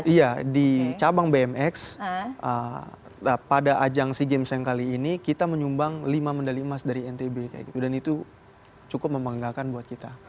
iya di cabang bmx pada ajang sea games yang kali ini kita menyumbang lima medali emas dari ntb kayak gitu dan itu cukup membanggakan buat kita